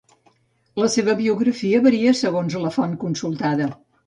La seva biografia varia segons la font consultada.